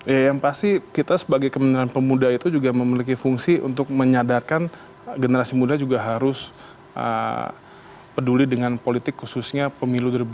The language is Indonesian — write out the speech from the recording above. ya yang pasti kita sebagai kementerian pemuda itu juga memiliki fungsi untuk menyadarkan generasi muda juga harus peduli dengan politik khususnya pemilu dua ribu dua puluh